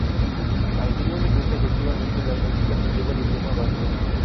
Al trío le gusta efectivamente la música que lleva el idioma vasco.